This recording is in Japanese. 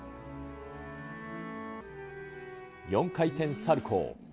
４回転サルコー。